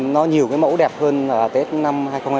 nó nhiều cái mẫu đẹp hơn tết năm hai nghìn hai mươi